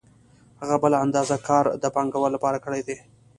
هغه بله اندازه کار د پانګوال لپاره کړی دی